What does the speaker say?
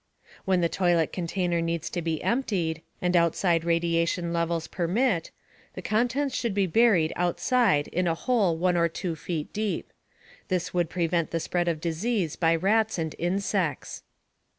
When the toilet container needs to be emptied, and outside radiation levels permit, the contents should be buried outside in a hole 1 or 2 feet deep. This would prevent the spread of disease by rats and insects.